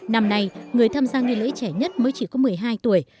năm nay người tham gia nghi lễ trẻ nhất mới chỉ có một mươi hai tuổi